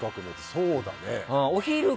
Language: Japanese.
そうだね。